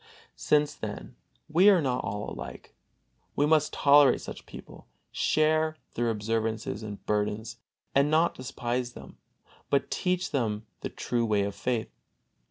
Since, then, we are not all alike, we must tolerate such people, share their observances and burdens, and not despise them, but teach them the true way of faith.